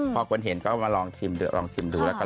พอคนเห็นก็มาลองชิมดูแล้วก็ที่นั่น